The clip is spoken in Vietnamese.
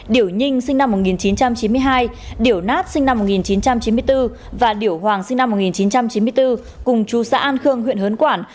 điểu ninh sinh năm một nghìn chín trăm chín mươi hai điểu nát sinh năm một nghìn chín trăm chín mươi bốn và điểu hoàng sinh năm một nghìn chín trăm chín mươi bốn cùng chú xã an khương huyện hớn quản